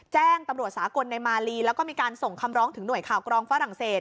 แจ้งตำรวจสากลในมาลีแล้วก็มีการส่งคำร้องถึงหน่วยข่าวกรองฝรั่งเศส